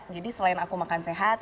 jadi selain aku makan sehat